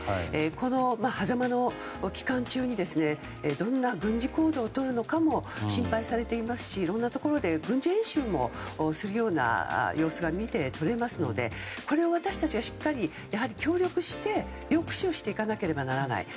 このはざまの期間中にどんな軍事行動をとるのかも心配されていますしいろんなところで軍事演習もするような様子が見て取れますのでこれを私たちがしっかり協力して抑止をしていかなければならない。